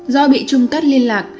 do bị trung cắt hiệp